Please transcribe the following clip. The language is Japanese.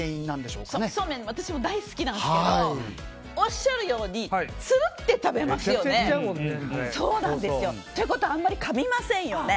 そうめん私も大好きなんですけどおっしゃるようにつるって食べますよね。ということはあんまりかみませんよね。